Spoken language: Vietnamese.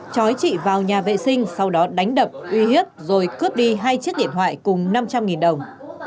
chói chị vào nhà vệ sinh sau đó đánh đập uy hiếp rồi cướp đi hai chiếc điện thoại cùng năm trăm linh đồng